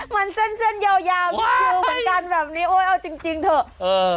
มันเส้นเส้นยาวยาวลูกคิวเหมือนกันแบบนี้โอ้ยเอาจริงจริงเถอะเออ